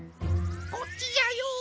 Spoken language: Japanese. こっちじゃよおい！